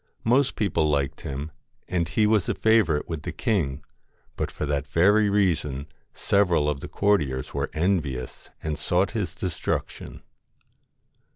Most people liked him, and he LOCKS was a favourite with the king, but for that very reason several of the courtiers were envious and sought his destruction.